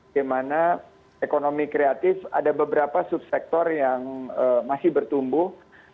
di mana ekonomi kreatif ada beberapa subsektor yang masih bertumbuh